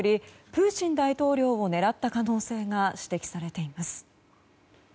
プーチン大統領を狙った可能性が指摘されています。